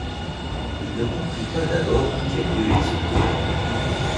Il ne comprit pas d’abord en quel lieu il se trouvait.